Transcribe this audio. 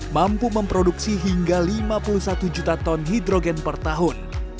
mampu memproduksi hingga lima puluh satu juta ton hidrogen per tahun